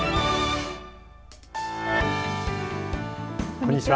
こんにちは。